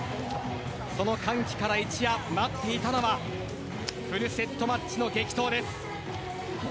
その歓喜から一夜待っていたのはフルセットマッチの激闘です。